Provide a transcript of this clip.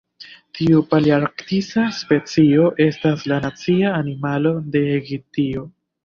Tiu palearktisa specio estas la nacia animalo de Egiptio.